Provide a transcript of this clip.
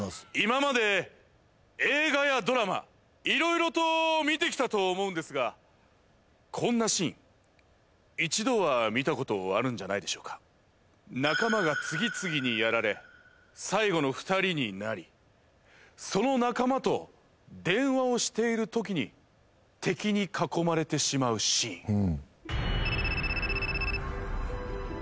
今まで映画やドラマ色々と見てきたと思うんですがこんなシーン一度は見たことあるんじゃないでしょうか仲間が次々にやられ最後の２人になりその仲間と電話をしている時に敵に囲まれてしまうシーン